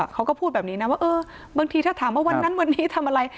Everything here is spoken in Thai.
เขาก็พูดแบบนี้นะว่าเออบางทีถ้าถามว่าวันนั้นวันนี้ทำอะไร